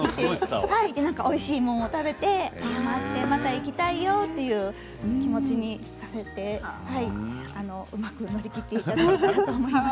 おいしいもの食べて、山に行きたいよという気持ちにさせてうまく乗り切っていただければと思います。